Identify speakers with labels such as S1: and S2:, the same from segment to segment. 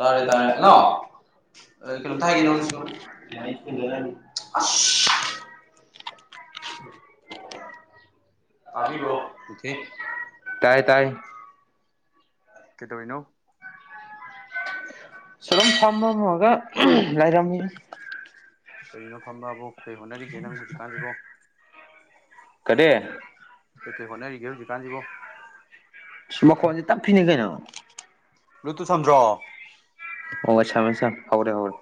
S1: ꯇꯥꯔꯦ ꯇꯥꯔꯦ ꯍꯦꯜꯂꯣ
S2: ꯀꯩꯅꯣꯝꯇ ꯍꯥꯏꯒꯦ ꯅꯉꯣꯟꯗꯁꯨ
S1: ꯑꯁ [inaudible]
S2: ꯇꯥꯕꯤꯕ꯭ꯔꯣ ꯃꯨꯊꯤ
S1: ꯇꯥꯏ ꯇꯥꯏ
S2: ꯀꯩꯗꯧꯔꯤꯅꯣ
S1: ꯁꯨꯝ ꯐꯃꯝꯃꯒ ꯂꯩꯔꯝꯃꯤꯅꯤ
S2: ꯀꯔꯤꯅꯣ ꯐꯝꯕꯕꯣ ꯀꯩ ꯍꯣꯠꯅꯔꯤꯒꯦ ꯅꯪ ꯍꯧꯖꯤꯛꯀꯥꯟꯁꯤꯕꯣ
S1: ꯀꯔꯤ
S2: ꯀꯩꯀꯩ ꯍꯣꯠꯅꯔꯤꯒꯦ ꯍꯧꯖꯤꯛꯀꯥꯟꯁꯤꯕꯨ
S1: ꯃꯈꯣꯟꯁꯦ ꯇꯞꯄꯤꯅꯦ ꯀꯩꯅꯣ
S2: ꯕ꯭ꯂꯨꯇꯨꯠ ꯁꯝꯗ꯭ꯔꯣ
S1: ꯑꯣ ꯁꯝꯃꯦ ꯁꯝꯃꯦ ꯍꯧꯔꯦ ꯍꯧꯔꯦ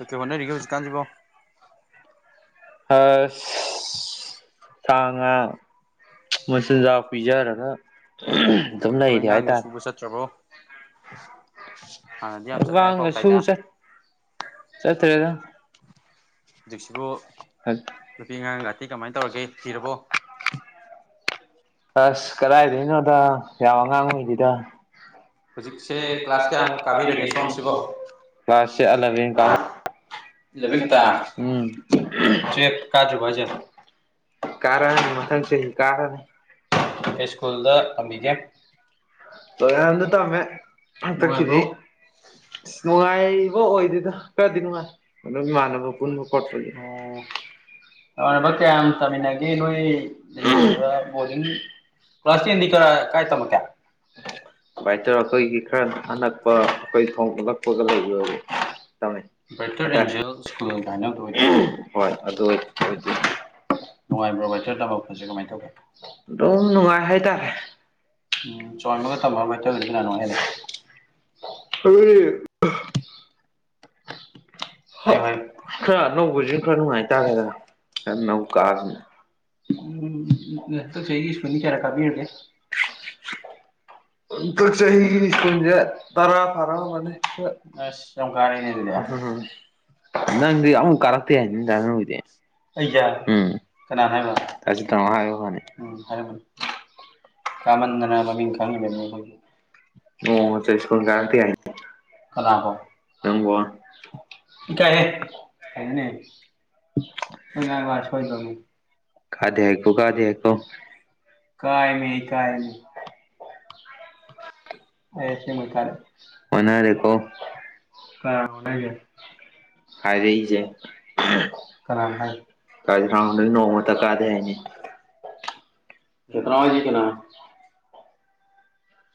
S2: ꯀꯩ ꯀꯩ ꯍꯣꯠꯅꯔꯤꯒꯦ ꯍꯧꯖꯤꯛꯀꯥꯟꯁꯤꯕꯣ
S1: ꯑꯁ ꯁꯥ ꯉꯥ ꯃꯆꯤꯟꯖꯥꯛ ꯄꯤꯖꯔꯒ ꯑꯗꯨꯝ
S2: ꯊꯕꯛ
S1: ꯂꯩꯔꯤ
S2: ꯏꯪꯈꯥꯡꯒ
S1: ꯍꯥꯏꯇꯥꯔꯦ
S2: ꯁꯨꯕ ꯆꯠꯇ꯭ꯔꯕꯣ ꯍꯥꯟꯅꯗꯤ ꯌꯥꯝ ꯆꯠꯂꯦ ꯍꯥꯏ ꯄꯥꯎ
S1: ꯋꯥꯒꯁꯨ
S2: ꯇꯥꯏꯗ
S1: ꯁꯨꯕ ꯆꯠꯇ꯭ꯔꯦꯗ
S2: ꯍꯧꯖꯤꯛꯁꯤꯕꯨ ꯅꯨꯄꯤ ꯑꯉꯥꯡꯒ ꯅꯨꯄꯤ ꯀꯃꯥꯏ ꯇꯧꯔꯒꯦ ꯊꯤꯔꯕꯣ
S1: ꯑꯁ ꯀꯗꯥꯏꯗꯩꯅꯣꯗ ꯌꯥꯝ ꯑꯉꯥꯡ ꯑꯣꯏꯔꯤꯗ ꯍꯨꯖꯤꯛꯁꯦ ꯀ꯭ꯂꯥꯁ ꯀꯌꯥꯃꯨꯛ ꯀꯥꯕꯤꯔꯒꯦ ꯁꯣꯝꯁꯤꯕꯣ ꯀ꯭ꯂꯥꯁꯁꯦ ꯑꯦꯜꯕꯦꯟ ꯀꯥꯔꯦ
S2: ꯏꯂꯚꯦꯟ
S1: ꯑꯦꯜꯕꯦꯟ
S2: ꯈꯛꯇ
S1: ꯈꯛꯇꯥ ꯎꯝ
S2: ꯇꯨꯌꯦꯜꯞ
S1: ꯇ꯭ꯋꯦꯜꯐ ꯀꯥꯗ꯭ꯔꯤꯕꯣ ꯍꯥꯢꯁꯦ
S2: ꯍꯥꯏꯁꯦ
S1: ꯀꯥꯔꯛꯑꯅꯤ ꯃꯊꯪ ꯆꯍꯤ ꯀꯥꯔꯅꯤ ꯀꯩ ꯁ꯭ꯀꯨꯜꯗ ꯇꯝꯕꯤꯒꯦ ꯇꯣꯌꯥꯟꯗ ꯇꯝꯃꯦ
S2: ꯅꯨꯡꯉꯥꯏꯕ꯭ꯔꯣ
S1: ꯍꯟꯗꯛꯀꯤꯗꯤ ꯅꯨꯉꯥꯢꯕ꯭ꯔꯣ ꯑꯁ ꯅꯨꯡꯉꯥꯏꯕ ꯑꯣꯏꯗꯦꯗ ꯈꯔꯗꯤ ꯅꯨꯡꯉꯥꯏ ꯁꯨꯝ ꯏꯃꯥꯟꯅꯕ ꯄꯨꯟꯕ ꯈꯣꯠꯄꯒꯤ
S2: ꯑꯣ
S1: ꯑꯣ ꯅꯃꯥꯟꯅꯕ ꯀꯌꯥꯝ ꯇꯥꯃꯤꯟꯅꯒꯦ ꯅꯣꯏ ꯂꯩꯔꯤꯕ ꯕꯣꯔꯗꯤꯡ ꯀ꯭ꯂꯥꯁ ꯇꯦꯟꯗꯤ ꯀꯔꯥꯢ- ꯀꯥꯏ ꯇꯝꯃꯛꯀꯦ INAUDIBLE
S2: ꯕꯥꯏꯇꯔ ꯑꯦꯟꯖꯦꯜ ꯁ꯭ꯀꯨꯜ ꯀꯥꯏꯅ ꯑꯃꯗꯣ ꯑꯣꯏꯗꯣꯏꯔꯥ
S1: INAUDIBLE ꯅꯨꯡꯉꯥꯏꯕ꯭ꯔꯣ
S2: ꯕꯥꯏꯇꯔ
S1: ꯕ꯭ꯔꯥꯏꯇꯔ
S2: ꯇꯝꯃꯛꯄꯁꯦ
S1: ꯇꯝꯃꯛꯄꯖꯦ ꯀꯃꯥꯏ
S2: ꯀꯃꯥꯏꯅ
S1: ꯇꯧꯒꯦ ꯑꯗꯨꯝ ꯅꯨꯡꯉꯥꯏ ꯍꯥꯏ ꯇꯥꯔꯦ
S2: ꯎꯝ ꯆꯥꯎꯔꯥꯛꯃꯒ
S1: INAUDIBLE
S2: ꯇꯝꯃꯒ ꯕꯥꯏꯇꯔꯒꯗꯤ ꯀꯅꯥ ꯅꯨꯡꯉꯥꯏ ꯍꯦꯜꯂꯤ
S1: UNINTELLIGIBLE
S2: ꯍꯥꯏꯌꯨ ꯍꯥꯏꯌꯨ
S1: ꯈꯔ ꯑꯅꯧꯕꯖꯤꯅ ꯈꯔ ꯅꯨꯡꯉꯥꯏ ꯇꯥꯔꯦꯗ ꯈꯔ ꯅꯧ ꯀꯥꯖꯤꯗ
S2: ꯎꯝ
S1: ꯍꯟꯗꯛ ꯆꯍꯤꯒꯤ ꯁ꯭ꯀꯨꯜꯗꯤ ꯀꯌꯥꯔꯛ ꯀꯥꯕꯤꯔꯒꯦ
S2: INAUDIBLE
S1: ꯍꯟꯗꯛ ꯆꯍꯤꯒꯤ ꯁ꯭ꯀꯨꯜꯖꯦ ꯇꯔꯥ ꯐꯥꯔꯛꯑꯝꯃꯅꯤ ꯑꯥꯁ ꯌꯥꯝ ꯀꯥꯔꯦꯅꯦ ꯑꯗꯨꯗꯤ ꯅꯪꯗꯤ ꯑꯝꯕꯨꯛ ꯀꯔꯛꯇꯦ ꯗꯥꯅꯥꯎ ꯍꯣꯢꯗꯤ
S2: ꯑꯩꯌꯥ ꯀꯅꯥꯅꯣ ꯍꯥꯏꯕ
S1: UNINTELLIGIBLE
S2: ꯎꯝ ꯍꯥꯏꯔꯝꯃꯅꯤ ꯀꯥꯃꯟꯗꯅ
S1: ꯀꯥꯃꯟꯗꯅꯥ ꯃꯃꯤꯡ ꯈꯪꯗꯕꯅꯦ
S2: ꯈꯪꯉꯤꯕꯅꯤ
S1: ꯑꯈꯣꯢꯖꯨ ꯅꯣꯡꯃꯇ ꯁ꯭ꯀꯨꯜ ꯀꯔꯛꯇꯦ ꯍꯥꯢ ꯀꯅꯥꯕꯣ
S2: ꯀꯅꯥꯐꯥꯎ
S1: ꯅꯪꯕꯣ
S2: ꯏꯀꯥꯏꯍꯦ ꯐꯖꯅꯍꯦ
S1: INAUDIBLE
S2: ꯅꯣꯏ ꯉꯥꯡ ꯉꯥꯏ ꯁꯣꯏꯗꯧꯅꯦ
S1: ꯀꯥꯏꯗꯦ ꯍꯥꯢꯀꯣ-ꯀꯥꯗꯦ ꯍꯥꯏꯀꯣ ꯀꯥꯏ
S2: ꯀꯥꯏꯃꯤ
S1: ꯃꯤ ꯑꯩ ꯀꯥꯏ
S2: ꯀꯥꯏꯃꯤ
S1: ꯃꯤ
S2: ꯑꯩ ꯑꯁꯦꯡꯕꯩ ꯀꯥꯔꯛꯑꯦ
S1: INAUDIBLE INAUDIBLE
S2: INAUDIBLE
S1: ꯍꯥꯏꯔꯛꯏꯖꯦ ꯀꯅꯥꯅ ꯍꯥꯢꯕ INAUDIBLE
S2: INAUDIBLE
S1: ꯀꯥꯀꯥ ꯍꯣꯢꯒꯤ ꯀꯅꯥ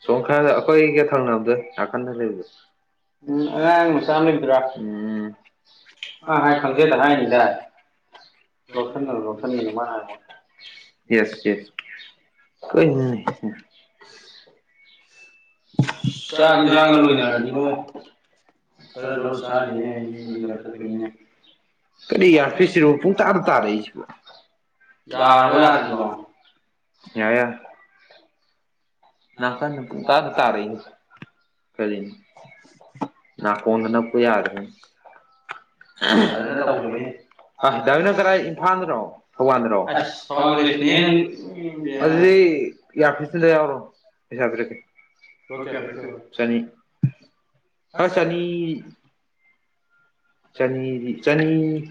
S1: ꯁꯣꯝ ꯈꯔ ꯑꯩꯈꯣꯏꯒ ꯊꯪꯅꯕꯗ ꯅꯥꯀꯟꯗ ꯂꯩꯕꯗ ꯎꯝ ꯑꯥꯉꯥꯡ ꯃꯆꯥ ꯑꯃ ꯂꯩꯕꯗꯨꯔ ꯎꯝ ꯃꯥ ꯍꯥꯏ ꯈꯪꯗꯦꯗ ꯍꯥꯏꯅꯤꯗꯥꯢ
S2: ꯂꯧꯁꯟꯒꯅꯨ ꯂꯧꯁꯟꯒꯅꯨ
S1: UNINTELLIGIBLE
S2: ꯃꯥ ꯍꯥꯏꯕ
S1: INAUDIBLE
S2: ꯆꯥꯛ ꯏꯟꯖꯥꯡꯒ
S1: INAUDIBLE
S2: ꯂꯣꯏꯅꯔꯗꯤ ꯅꯣꯏ
S1: INAUDIBLE
S2: ꯈꯔ ꯂꯧꯔ ꯆꯥꯈꯤꯒꯦꯅꯦ ꯑꯩ ꯑꯦꯛꯖꯥꯝ ꯆꯠꯇꯣꯏꯅꯤꯅꯦ
S1: ꯀꯔꯤ ꯑꯦꯔꯐꯤꯁꯔꯅꯣ ꯄꯨꯡꯇꯥꯗ- ꯇꯥꯔꯛꯏꯁꯤꯕꯣ ꯌꯥꯔꯕꯣ ꯌꯥꯗ꯭ꯔꯤꯕꯣ ꯌꯥꯏ ꯌꯥꯏ ꯅꯥꯀꯟꯗ ꯄꯨꯡꯇ- ꯇꯥꯔꯛꯏ ꯀꯔꯤ ꯅꯥꯀꯣꯡꯗ ꯅꯞꯄꯨ ꯌꯥꯗꯤꯅꯤ ꯐꯖꯅ ꯇꯧꯗꯕꯩꯅꯤ
S2: ꯑꯁ ꯊꯋꯥꯏ ꯀꯣꯂꯦꯖꯇꯨꯅꯦꯍꯦ ꯅꯪꯁꯨ ꯎꯝ ꯕꯦꯔꯥꯅꯤ
S1: UNINTELLIGIBLE ꯏꯌꯥꯔꯐꯤꯁ ꯑꯝꯇ ꯌꯥꯎꯔꯛ ꯑꯣ ꯄꯩꯁꯥ ꯄꯤꯔꯛꯀꯦ ꯂꯨꯄ ꯀꯌꯥ ꯄꯤꯔꯛꯇꯣꯏꯕ ꯆꯥꯅꯤ ꯂꯨꯄ ꯆꯥꯅꯤ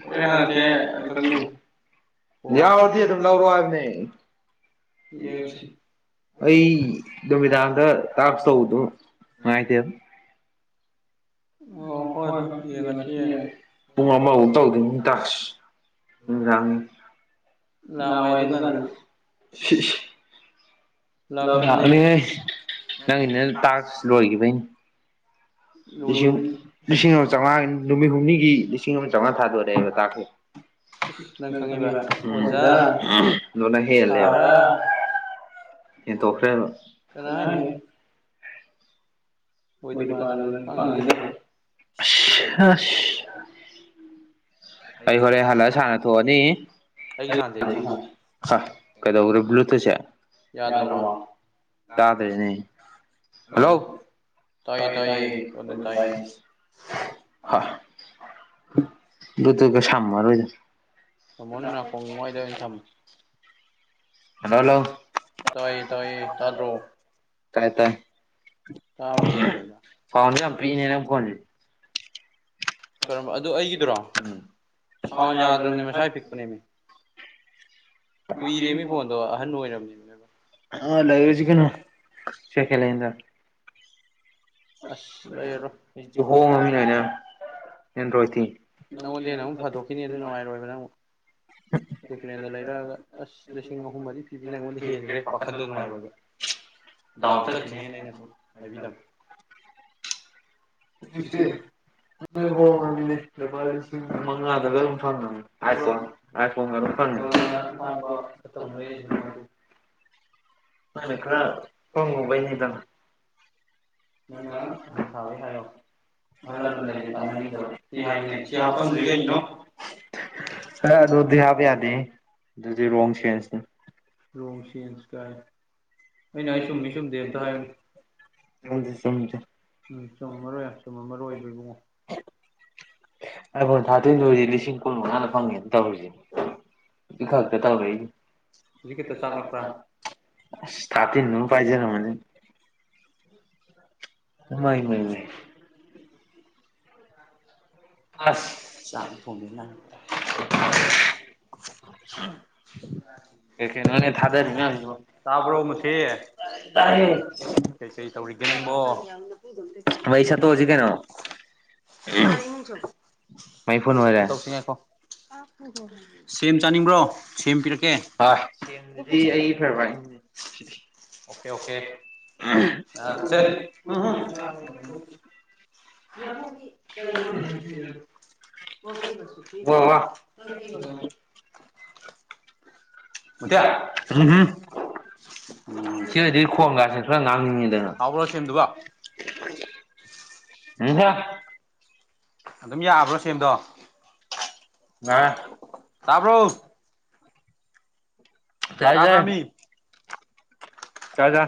S2: ꯍꯣꯔꯦꯟ ꯍꯪꯉꯛꯀꯦ ꯑꯩ ꯈꯪꯗꯕꯁꯦ
S1: ꯌꯥꯎꯔꯗꯤ ꯑꯗꯨꯝ ꯂꯧꯔꯣ ꯍꯥꯏꯕꯅꯦ
S2: ꯌꯦꯡꯉꯁꯤ
S1: ꯌꯦꯡꯁꯤ ꯑꯩ ꯅꯨꯃꯤꯗꯥꯡꯗ ꯇꯥꯛꯁ ꯇꯧꯕꯗꯣ ꯅꯨꯡꯉꯥꯏꯇꯦꯕ ꯑꯣ ꯍꯣꯏ ꯍꯣꯏ ꯌꯦꯡꯉꯁꯤ ꯌꯦꯡꯉꯁꯤ ꯄꯨꯡ ꯑꯃꯐꯥꯎ ꯇꯧꯗꯣꯏꯅꯤ ꯇꯥꯛꯁ
S2: ꯂꯥꯛꯑꯣꯏ ꯑꯗꯨꯀꯥꯟꯗꯗꯤ
S1: UNINTELLIGIBLE
S2: ꯂꯥꯛꯇꯝꯅꯦ
S1: ꯅꯤ ꯅꯪꯒꯤ ꯇꯥꯛꯁꯨ ꯂꯣꯏꯈꯤꯕꯩꯅꯦ
S2: ꯂꯣꯏꯕꯩ
S1: ꯂꯤꯁꯤꯡ
S2: ꯅꯠꯇꯦ
S1: ꯂꯤꯁꯤꯡ ꯑꯃ ꯆꯥꯝꯃꯉꯥ ꯅꯨꯃꯤꯠ ꯍꯨꯝꯅꯤꯒꯤ ꯂꯤꯁꯤꯡ ꯑꯃ ꯆꯥꯝꯃꯉꯥ ꯊꯥꯗꯣꯔꯛꯦꯕ ꯇꯥꯛꯁꯦ
S2: ꯏꯁ
S1: ꯅꯪ ꯈꯪꯂꯤꯕ
S2: ꯈꯪꯉꯤꯕ
S1: ꯎꯝ
S2: ꯑꯣꯖꯥ
S1: ꯑꯣꯖꯥ
S2: ꯁꯥꯔꯥ
S1: [unintelligible] [unintelligible] ꯍꯦꯟꯇꯣꯛꯕ [unintelligible]
S2: ꯀꯅꯥ ꯍꯥꯏꯅꯣꯍꯦ ꯑꯣꯏꯗ
S1: ꯑꯣꯏꯗꯤ
S2: ꯄꯥꯗꯕ ꯅꯪꯗꯤ
S1: ꯄꯥꯗꯄꯉꯥꯡ
S2: ꯄꯥꯡ
S1: ꯉꯥꯡꯖꯤꯜ
S2: ꯉꯥꯡꯁꯤꯜꯂꯛꯑꯦ
S1: ꯂꯛ ꯑꯦ ꯑꯩ ꯍꯣꯔꯦꯟ ꯍꯜꯂꯑ ꯁꯥꯟꯅ ꯊꯣꯛꯑꯅꯤ
S2: ꯑꯩꯒꯤ ꯁꯥꯟꯁꯦ ꯑꯩꯒꯤ ꯁꯥꯟꯁꯦ
S1: ꯀꯩꯗꯧꯔꯕ ꯕꯂꯨꯠꯇꯨꯠ ꯁꯦ ꯌꯥꯗ꯭ꯔꯕꯣ ꯇꯥꯗꯦꯅꯦ
S2: [inaudible] ꯇꯥꯏꯌꯦ ꯇꯥꯏꯌꯦ ꯇꯥꯏꯌꯦ
S1: ꯕ꯭ꯂꯨꯠꯇꯨꯠꯀ ꯁꯝꯃꯔꯣꯏꯗ
S2: ꯇꯥꯃꯣꯅ ꯅꯥꯀꯣꯡ
S1: ꯍꯜꯂꯣ ꯍꯜꯂꯣ
S2: ꯇꯥꯏ ꯇꯥꯏ ꯇꯥꯗ꯭ꯔꯣ
S1: ꯀꯥꯏ ꯇꯥꯏ
S2: ꯇꯥꯕꯅꯤ ꯂꯣꯏꯅ
S1: ꯐꯥꯎꯅꯤ ꯌꯥꯝ ꯄꯔꯤꯅꯦꯔ ꯀꯣꯟ
S2: ꯀꯔꯝꯕ ꯑꯗꯨ ꯑꯩꯒꯤꯗꯨꯔꯣ
S1: ꯎꯝ
S2: ꯁꯥꯎꯟ ꯌꯥꯗ꯭ꯔꯕꯅꯦ ꯃꯁꯥꯏ ꯄꯤꯛꯄꯅꯦꯃꯤ ꯀꯨꯏꯔꯦꯃꯤ ꯐꯣꯟꯗꯣ ꯑꯍꯟ ꯑꯣꯏꯔꯕꯅꯦꯃꯤ ꯅꯣꯏꯕꯣ
S1: [unintelligible] [unintelligible]
S2: ꯑꯁ ꯂꯩꯔꯔꯣꯏ
S1: ꯍꯧꯖꯤꯛꯇꯤ ꯍꯣꯡꯉꯕꯅꯤ ꯂꯣꯏꯅ ꯑꯦꯟꯗ꯭ꯔꯣꯏꯗꯇꯤ
S2: ꯅꯪꯉꯣꯟꯗ ꯍꯦ ꯅ ꯑꯃꯨꯛ ꯐꯥꯗꯣꯛꯈꯤꯅꯤ ꯑꯗꯨ ꯅꯨꯡꯉꯥꯏꯔꯣꯏꯕ ꯅꯪ ꯑꯃꯛ ꯂꯦꯟꯗ ꯂꯩꯔꯛꯑꯒ ꯑꯁ ꯂꯤꯁꯤꯡ ꯑꯍꯨꯝ ꯃꯗꯤ ꯐꯤꯕꯅ ꯑꯩꯉꯣꯟꯗ ꯍꯦꯟꯈ꯭ꯔꯦ ꯋꯥꯥꯈꯟꯗꯣ ꯅꯨꯡꯉꯥꯏꯔꯣꯏꯕ ꯗꯥꯎꯟ ꯆꯠꯈꯤꯅꯦꯅ ꯑꯩꯅ ꯁꯨꯝ ꯍꯥꯏꯕꯤꯗꯕ ꯆꯤꯛꯁꯇꯤꯟ
S1: [unintelligible] [unintelligible] [unintelligible] ꯍꯣꯡꯉꯥꯕꯅꯤꯍꯦ ꯂꯨꯄꯥ ꯂꯤꯁꯤꯡ ꯃꯉꯥꯗ ꯐꯪꯉꯥꯕꯅꯤꯍꯦ ꯑꯥꯏ ꯐꯣꯟ ꯑꯥꯏ ꯐꯣꯟꯒꯗꯣ
S2: ꯑꯗꯨ ꯑꯇꯥꯡꯕ ꯐꯠꯇꯕ ꯑꯃ ꯂꯩꯔꯤꯁꯤꯅ ꯀꯃꯥꯏ ꯇꯧꯕ
S1: ꯃꯅ ꯈꯔ ꯄꯪꯉꯨꯕꯩꯅꯤꯗ
S2: ꯅꯪꯅ ꯑꯍꯟ ꯁꯥꯕꯩ ꯍꯥꯏꯌꯣ ꯑꯍꯜ ꯂꯃꯟ ꯂꯩꯁꯦ ꯇꯥꯟꯅꯅꯤꯡꯗꯕ ꯁꯤ ꯍꯥꯏꯌꯨꯅꯦ
S1: [unintelligible] ꯁꯤ
S2: ꯍꯥꯞꯄꯝꯗ꯭ꯔꯤ
S1: ꯍꯥꯞꯄꯝꯗꯔꯤ ꯀꯩꯒꯤꯅꯣ ꯑꯗꯨꯗꯤ ꯍꯥꯞꯕ ꯌꯥꯗꯦ ꯑꯗꯨꯗꯤ ꯔꯣꯡ ꯆꯦꯟꯁꯅꯤ
S2: ꯔꯣꯡ ꯆꯦꯟꯖ ꯀꯥꯏ ꯑꯩꯅ ꯑꯩ ꯆꯨꯝꯃꯤ ꯆꯨꯝꯗꯦ ꯑꯝꯇ ꯍꯥꯏꯌꯨꯅꯦ
S1: [unintelligible]
S2: ꯎꯝ ꯆꯨꯝꯃꯝꯃꯔꯣꯏ ꯌꯥꯝ ꯆꯨꯝꯃꯝꯃꯔꯣꯏ ꯏꯕꯨꯡꯉꯣ
S1: [unintelligible] ꯑꯥꯏ ꯐꯣꯟ ꯊꯥꯔꯇꯤꯟꯗꯨꯗꯤ ꯂꯤꯁꯤꯡꯀꯟꯃꯉꯥꯗ ꯐꯪꯉꯦ ꯇꯧꯔꯤꯖꯦ [unintelligible]
S2: ꯍꯧꯖꯤꯛ ꯈꯛꯇ ꯆꯥꯛꯂꯛꯄ꯭ꯔꯥ
S1: [unintelligible] ꯑꯁ ꯊꯥꯔꯇꯤꯟ ꯗꯨꯃ ꯄꯥꯏꯖꯔꯝꯃꯅꯤ ꯏꯃꯥꯏꯃꯥꯏ ꯃꯩ
S2: ꯑꯁ ꯆꯥꯛ ꯊꯣꯡꯅꯤꯡꯉꯥꯏ [unintelligible]
S1: [unintelligible] ꯀꯩꯀꯩꯅꯣꯅꯦ ꯊꯥꯗꯔꯤ ꯃꯌꯥꯝꯖꯤꯕꯣ
S2: ꯇꯥꯕ꯭ꯔꯣ ꯃꯨꯊꯤ
S1: [unintelligible]
S2: ꯀꯩꯀꯩ ꯇꯧꯔꯤꯒꯦ ꯅꯪꯕꯣ
S1: ꯃꯩ ꯁꯠꯇꯣꯛꯑꯁꯤ ꯀꯩꯅꯣ
S2: ꯑꯗꯥ ꯏꯃꯨꯡ ꯆꯪꯉꯣ
S1: ꯃꯩ ꯐꯨꯟ
S2: ꯇꯧꯁꯤ
S1: ꯑꯣꯏꯔꯦ
S2: ꯇꯧꯁꯤ ꯉꯥꯏꯈꯣ ꯁꯦꯝ ꯆꯥꯅꯤꯡꯕ꯭ꯔꯣ ꯁꯦꯝ ꯄꯤꯔꯛꯀꯦ
S1: ꯍꯣꯏ ꯁꯤꯗꯤ ꯑꯩꯒꯤ ꯐꯦꯚꯣꯔꯥꯏꯠꯅꯤ
S2: ꯑꯣꯀꯦ ꯑꯣꯀꯦ ꯑ ꯁꯦ ꯍꯨꯍꯨꯝ [unintelligible]
S1: ꯋꯥ ꯋꯥ
S2: [unintelligible]
S1: [unintelligible] ꯑꯍꯝ
S2: ꯎꯝ
S1: ꯁꯤꯅꯗꯤ ꯈꯣꯟꯒꯖꯦ ꯉꯥꯡꯅꯤꯡꯉꯤꯗꯅ
S2: ꯍꯥꯎꯕ꯭ꯔꯣ ꯁꯦꯝꯗꯨꯕꯣ
S1: [unintelligible]
S2: ꯑꯗꯨꯝ ꯌꯥꯕ꯭ꯔꯣ ꯁꯦꯝꯗꯣ
S1: ꯉꯥ
S2: ꯇꯥꯕ꯭ꯔꯣ ꯇꯥꯕꯔꯃꯤ
S1: ꯆꯥꯖꯥ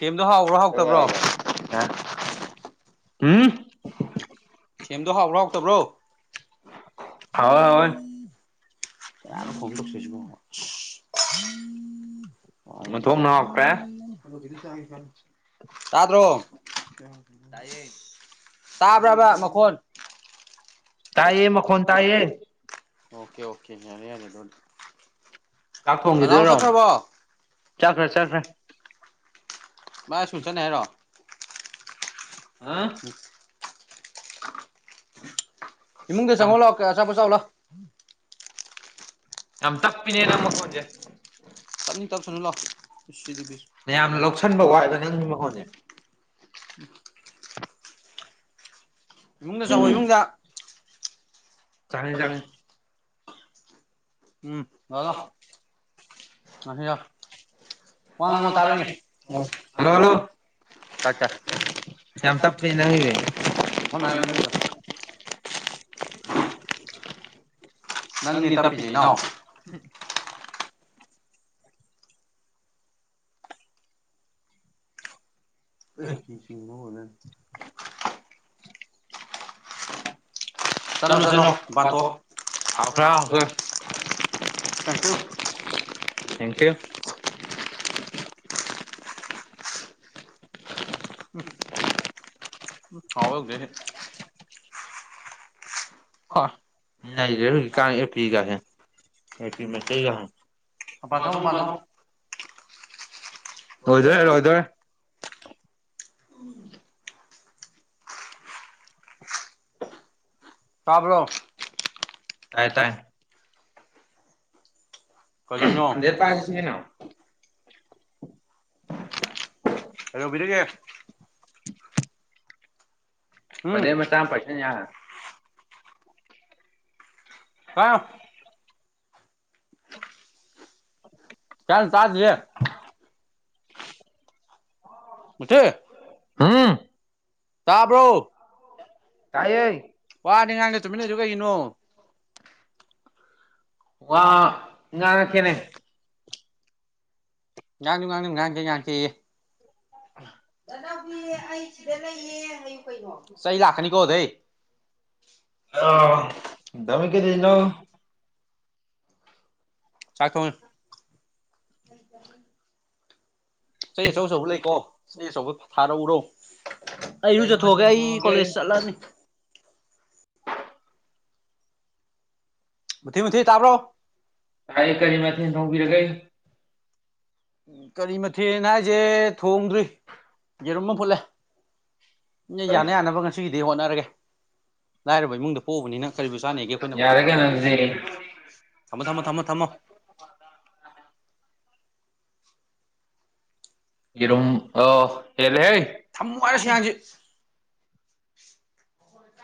S2: ꯁꯦꯝꯗꯣ ꯍꯥꯎꯕ꯭ꯔꯣ ꯍꯥꯎꯇꯕ꯭ꯔꯣ
S1: ꯍꯨꯝ
S2: ꯁꯦꯝꯗꯣ ꯍꯥꯎꯕ꯭ꯔꯣ ꯍꯥꯎꯇꯕ꯭ꯔꯣ
S1: ꯍꯥꯎꯋꯦ ꯍꯥꯎꯋꯦ
S2: [unintelligible]
S1: ꯑꯣꯟꯊꯣꯛꯅ ꯍꯥꯎꯈ꯭ꯔꯦ
S2: ꯇꯥꯗ꯭ꯔꯣ
S1: ꯇꯥꯏꯌꯦ
S2: ꯇꯥꯕ꯭ꯔꯕ ꯃꯈꯣꯟ
S1: ꯇꯥꯌꯦ ꯃꯈꯣꯟ ꯇꯥꯏꯌꯦ
S2: ꯑꯣꯀꯦ ꯑꯣꯀꯦ ꯌꯥꯔꯦ ꯌꯥꯔꯦ ꯑꯗꯨꯏꯗꯤ ꯑꯅꯥꯎ ꯆꯠꯈ꯭ꯔꯕꯣ
S1: ꯆꯠꯈ꯭ꯔꯦ ꯆꯠꯈ꯭ꯔꯦ
S2: ꯃꯥ ꯏꯁꯀꯨꯜ ꯆꯠꯅꯤ ꯍꯥꯏꯔꯣ
S1: ꯑ
S2: [unintelligible] ꯏꯃꯨꯡꯗ ꯆꯪꯉꯛꯑꯣ ꯂꯥꯛꯑꯀ ꯑꯆꯥꯄꯣꯠ ꯆꯥꯎꯂꯥꯎ
S1: ꯌꯥꯝ ꯇꯞꯄꯤꯅꯦ ꯅꯪ ꯃꯈꯣꯟꯁꯦ
S2: ꯇꯞꯅꯤꯡ ꯇꯞꯁꯥꯅꯨ
S1: ꯃꯌꯥꯝꯅ ꯂꯧꯁꯟꯕ ꯋꯥꯏꯕ ꯅꯪꯒꯤ ꯃꯈꯣꯠꯁꯦ
S2: [unintelligible] ꯏꯃꯨꯡꯗ ꯆꯪꯉꯣ ꯏꯃꯨꯡꯗ
S1: ꯆꯪꯉꯦ ꯆꯪꯉꯦ
S2: ꯎꯝ ꯂꯥꯎ ꯂꯥꯎ ꯋꯥ ꯉꯥꯡꯉꯣ ꯇꯥꯕ꯭ꯔ ꯌꯦꯡꯒꯦ
S1: ꯑꯣ ꯍꯜꯂꯣ ꯍꯜꯂꯣ
S2: ꯇꯥꯏ ꯇꯥꯏ
S1: ꯌꯥꯝ ꯇꯞꯄꯦ ꯅꯪꯒꯤꯁꯦ ꯆꯠꯂꯣ
S2: [unintelligible]
S1: ꯅꯪꯅꯤ
S2: ꯇꯞꯄꯤꯁꯦ
S1: ꯇꯞꯄꯤꯁꯤ
S2: ꯏꯅꯥꯎ
S1: ꯅꯥꯎ
S2: [unintelligible] ꯆꯠꯅꯣ
S1: ꯆꯠꯂꯣ
S2: ꯆꯠꯅꯣ ꯃꯄꯥꯟ
S1: ꯍꯥꯎꯈ꯭ꯔꯦ
S2: ꯊꯣꯛꯑꯣ
S1: ꯍꯥꯎꯈ꯭ꯔꯦ
S2: ꯊꯦꯡꯀ꯭ꯤꯌꯨ
S1: ꯊꯦꯡꯀꯤ꯭ꯌꯨ
S2: [unintelligible]
S1: ꯍ ꯅꯩꯔꯦ ꯍꯧꯖꯤꯛꯀꯥꯟ ꯑꯦꯄꯤ ꯒꯁꯦ
S2: ꯃꯄꯥꯟ ꯊꯣꯛꯑꯣ ꯃꯄꯥꯟ ꯊꯣꯛꯑꯣ
S1: [unintelligible] ꯂꯣꯏꯗꯧꯔꯦ ꯂꯣꯏꯗꯧꯔꯦ
S2: ꯇꯥꯕ꯭ꯔꯣ
S1: ꯇꯥꯏ ꯇꯥꯏ
S2: ꯀꯩꯗꯧꯔꯤꯅꯣ
S1: [unintelligible]
S2: ꯀꯩꯗꯧꯕꯤꯔꯤꯒꯦ ꯎꯝ
S1: ꯄꯥꯅꯤꯔ ꯃꯆꯥꯃ ꯄꯥꯏꯁꯤꯟ ꯌꯥꯔꯦ
S2: ꯍꯥ [unintelligible] ꯌꯦ ꯃꯨꯊꯤ
S1: ꯍꯨꯝ
S2: ꯇꯥꯕ꯭ꯔꯣ
S1: ꯇꯥꯏꯌꯦ
S2: ꯋꯥꯗꯤ ꯉꯥꯡꯗ ꯇꯨꯃꯤꯟ ꯂꯩꯗꯣ ꯀꯩꯒꯤꯅꯣ
S1: ꯋꯥ ꯉꯥꯡꯉꯛ ꯀꯦꯅꯦ
S2: ꯉꯥꯡꯖꯨ ꯉꯥꯡꯗꯦ ꯉꯥꯡꯉꯛꯀꯦ ꯌꯦ ꯏꯇꯥꯎꯕꯤ ꯑꯩ ꯁꯤꯗ ꯂꯩꯌꯦ ꯍꯥꯏꯌꯨ ꯀꯩꯅꯣ ꯆꯩ ꯂꯥꯛꯀꯅꯤꯀꯣ ꯑꯗꯩ
S1: ꯑꯥ ꯗꯃꯤ ꯀꯩꯗꯣꯏꯅꯣ
S2: ꯆꯥꯛ ꯊꯣꯡꯉꯤ ꯆꯩ ꯑꯆꯧ ꯑꯆꯧꯕ ꯂꯩꯀꯣ ꯆꯩ ꯑꯆꯧꯕ ꯊꯥꯔꯛꯎꯔꯣ ꯑꯩ ꯏꯔꯨꯖꯊꯣꯛꯑꯒꯦ ꯑꯩ ꯀꯣꯂꯦꯖ ꯆꯠꯂꯅꯤ ꯃꯨꯊꯤ ꯃꯨꯊꯤ ꯇꯥꯕ꯭ꯔꯣ
S1: ꯀꯔꯤ ꯀꯔꯤ ꯃꯊꯦꯜ ꯊꯣꯡꯕꯤꯔꯒꯦ
S2: ꯎ ꯀꯔꯤ ꯃꯊꯦꯜꯅ ꯍꯥꯏꯖꯦ ꯊꯣꯡꯗ꯭ꯔꯤ ꯌꯦꯔꯨꯝ ꯑꯃ ꯐꯨꯠꯂꯦ ꯁꯤꯅ ꯌꯥꯅ ꯌꯥꯅꯕ ꯉꯁꯤꯒꯤꯗꯤ ꯍꯣꯠꯅꯔꯒꯦ ꯂꯥꯏꯔꯕ ꯏꯃꯨꯡꯗ ꯄꯣꯛꯎꯕꯅꯤꯅ ꯀꯔꯤꯕꯨ ꯆꯥꯅꯦꯒꯦ ꯑꯩꯈꯣꯏꯅꯕꯨ
S1: ꯌꯥꯔꯦ ꯀꯩꯅꯣ ꯑꯗꯨꯗꯤ
S2: ꯊꯝꯃꯣ ꯊꯝꯃꯣ ꯊꯝꯃꯣ ꯊꯝꯃꯣ
S1: ꯌꯦꯔꯨꯝ ꯑꯥ ꯍꯦꯜꯂꯦ ꯍꯦ
S2: ꯃꯝꯃꯣ ꯍꯥꯏꯔꯒ ꯁꯤꯉꯥꯡꯖꯦ